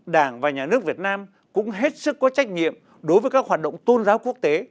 đảng và nhà nước việt nam cũng hết sức có trách nhiệm đối với các hoạt động tôn giáo quốc tế